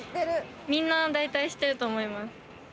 みんな大体知ってると思いま